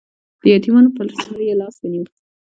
د یتیمانو په سر یې لاس ونیو